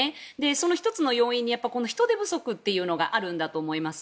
その１つの要因に人手不足というのがあるんだと思います。